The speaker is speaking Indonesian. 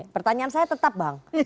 pertanyaan saya tetap bang